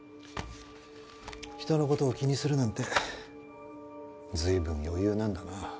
人の事を気にするなんて随分余裕なんだな。